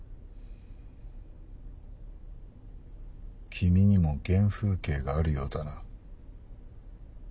君にも原風景があるようだな。